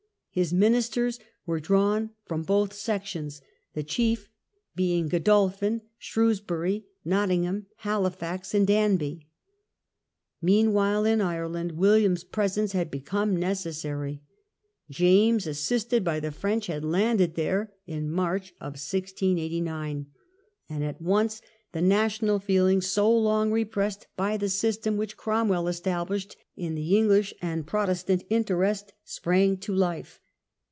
!His ministers were drawn from both sections, the chief being Godolphin, Shrewsbury, Nottingham, Halifax, and Danby. ' Meanwhile in Ireland William's presence had be come necessary. James, assisted by the French, had landed there in March, 1689; and at once the national feeling, so long repressed by the system which xhe struggle Cromwell established in the English and Pro » Ireland, testant interest, sprang to life.